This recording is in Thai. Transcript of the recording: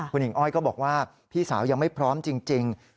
คุณหญิงอ้อยก็บอกว่าพี่สาวยังไม่พร้อมจริง